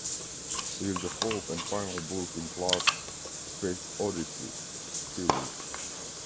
It is the fourth and final book in Clarke's "Space Odyssey" series.